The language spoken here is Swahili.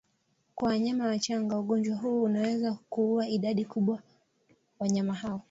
Kwa wanyama wachanga ugonjwa huu unaweza kuua idadi kubwa wanyama hao